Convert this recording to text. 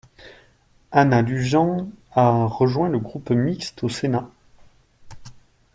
Ana Luján a rejoint le groupe mixte au Sénat.